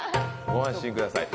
ご安心ください。